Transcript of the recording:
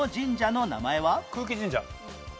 空気神社。